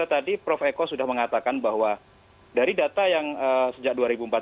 nah saya kembali ke tadi prof heko sudah mengatakan bahwa dari data yang sejak dua ribu empat belas